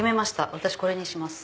私これにします。